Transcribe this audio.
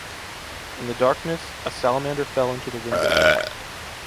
In the darkness, a salamander fell into the window well.